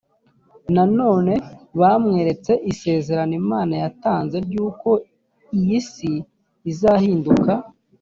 nanone bamweretse isezerano imana yatanze ry uko iyi si izahinduka